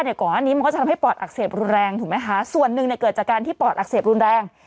ก่อนหน้านี้มันก็จะทำให้ปอดอักเสบรุนแรงถูกไหมคะส่วนหนึ่งเนี่ยเกิดจากการที่ปอดอักเสบรุนแรง